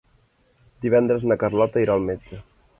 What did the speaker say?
Divendres na Carlota irà al metge.